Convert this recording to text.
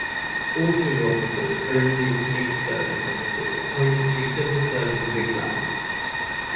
All senior officers are Indian Police Service officers appointed through Civil Services Exam.